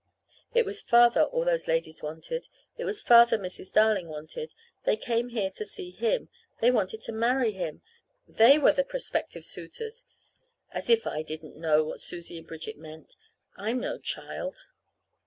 It was Father all those ladies wanted. It was Father Mrs. Darling wanted. They came here to see him. They wanted to marry him. They were the prospective suitors. As if I didn't know what Susie and Bridget meant! I'm no child!